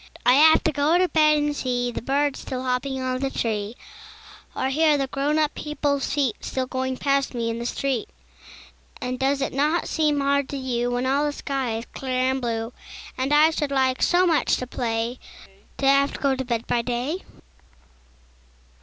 I have to go to bed and see The birds still hopping on the tree, Or hear the grown up people's feet Still going past me in the street. And does it not seem hard to you, When all the sky is clear and blue, And I should like so much to play, To have to go to bed by day?